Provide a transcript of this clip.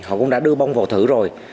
họ cũng đã đưa bông vào thử rồi